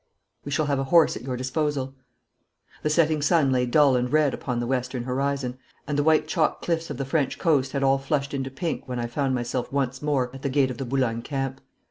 We shall have a horse at your disposal.' The setting sun lay dull and red upon the western horizon, and the white chalk cliffs of the French coast had all flushed into pink when I found myself once more at the gate of the Boulogne Camp.